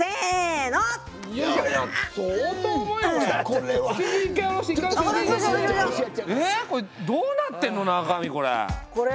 これどうなってんの中身これ。